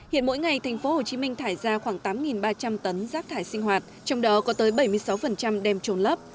hiện mỗi ngày tp hcm thải ra khoảng tám ba trăm linh tấn rác thải sinh hoạt trong đó có tới bảy mươi sáu đem trốn lấp